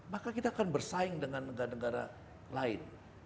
maka kita akan bersaing dengan negara negara lain